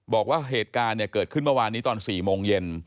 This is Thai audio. บอกว่าเหตุการณ์เกิดขึ้นเมื่อวานนี้ตอน๔โมงเย็น